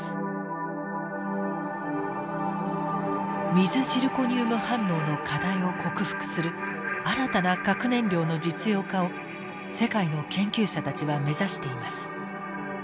水ジルコニウム反応の課題を克服する新たな核燃料の実用化を世界の研究者たちは目指しています。